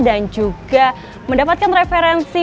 dan juga mendapatkan referensi